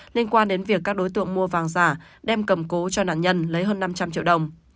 liên quan đến việc các đối tượng mua vàng giả đem cầm cố cho nạn nhân lấy hơn năm trăm linh triệu đồng